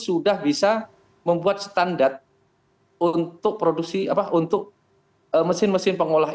sudah bisa membuat standar untuk produksi apa untuk mesin mesin pengolah